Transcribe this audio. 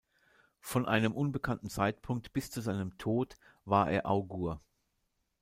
Von einem unbekannten Zeitpunkt bis zu seinem Tod war er Augur.